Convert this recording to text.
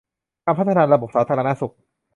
การพัฒนาระบบสาธารณสุข